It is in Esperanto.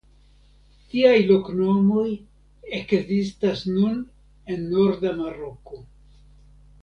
Tiaj loknomoj ekzistas nun en norda Maroko.